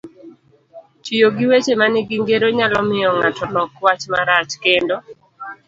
Tiyo gi weche manigi ngero nyalo miyo ng'ato lok wach marach, kendo